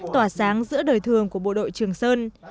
tỏa sáng giữa đời thường của bộ đội trường sơn